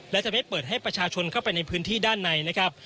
และจะไม่เปิดให้ประชาชนเข้าไปในพื้นที่ด้านในนะครับ